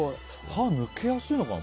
歯、抜けやすいのかな。